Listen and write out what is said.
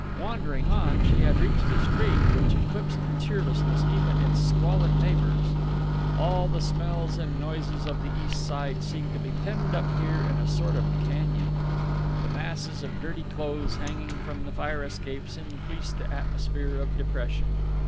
Wandering on, she had reached a street which eclipsed in cheerlessness even its squalid neighbors. All the smells and noises of the East Side seemed to be penned up here in a sort of canyon. The masses of dirty clothes hanging from the fire escapes increased the atmosphere of depression.